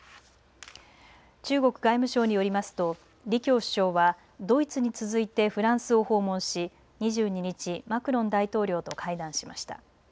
中国外務省によりますと李強首相はドイツに続いてフランスを訪問し２２日、マクロン大統領と会談しました。